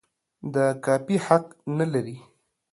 د کاپي حق نه لري.